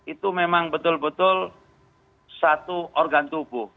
itu memang betul betul satu organ tubuh